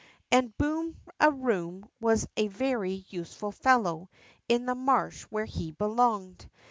And Boom a Kooin was a very useful fellow in the marsh where he belonged.